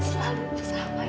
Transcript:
tapi kakak akan tebus wai